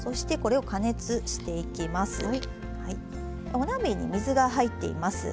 お鍋に水が入っています。